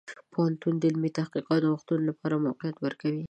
پوهنتون د علمي تحقیق او نوښتونو لپاره موقعیت ورکوي.